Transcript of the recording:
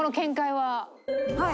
はい。